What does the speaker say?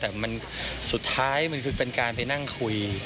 แต่มันสุดท้ายมันคือเป็นการไปนั่งคุย